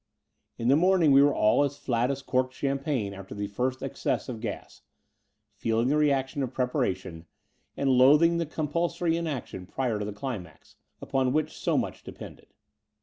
In the morning we were all as flat as corked champagne after the first excess of gas, feeling the reaction of preparation, and loathing the com pulsory inaction prior to the climax, upon which so much depended.